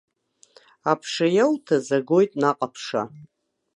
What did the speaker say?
Аԥша иауҭаз агоит наҟ аԥша.